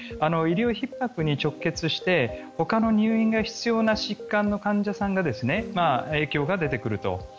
医療ひっ迫に直結して他の入院が必要な疾患の患者さんに影響が出てくると。